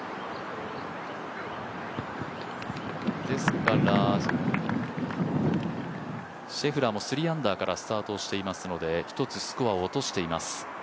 ですから、シェフラーも３アンダーからスタートしていますので１つスコアを落としています。